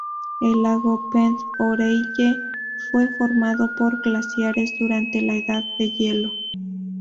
El lago Pend Oreille fue formado por glaciares durante la edad de hielo.